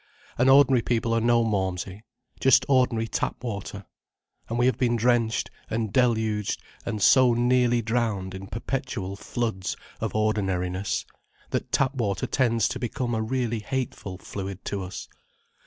And ordinary people are no malmsey. Just ordinary tap water. And we have been drenched and deluged and so nearly drowned in perpetual floods of ordinariness, that tap water tends to become a really hateful fluid to us.